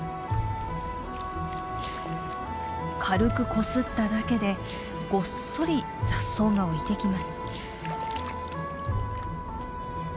軽くこすっただけでごっそり雑草が浮いてきます。